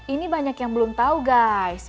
ini banyak yang belum tahu guys